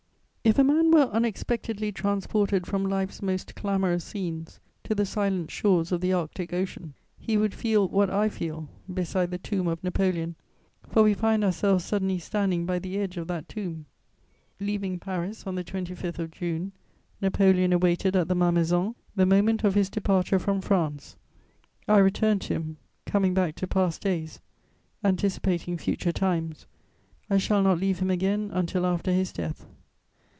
If a man were unexpectedly transported from life's most clamorous scenes to the silent shores of the Arctic Ocean, he would feel what I feel beside the tomb of Napoleon, for we find ourselves suddenly standing by the edge of that tomb. Leaving Paris on the 25th of June, Napoleon awaited at the Malmaison the moment of his departure from France. I return to him: coming back to past days, anticipating future times, I shall not leave him again until after his death.